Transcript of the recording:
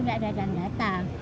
gak ada yang datang